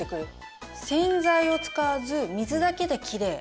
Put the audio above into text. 洗剤を使わず水だけできれい。